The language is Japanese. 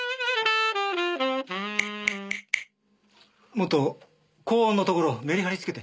もっと高音のところをメリハリつけて。